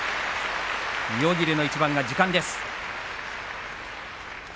妙義龍の一番が時間です。